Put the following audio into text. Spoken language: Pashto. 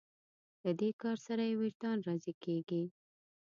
له دې کار سره یې وجدان راضي کېږي.